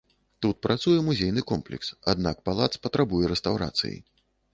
Тут працуе музейны комплекс, аднак палац патрабуе рэстаўрацыі.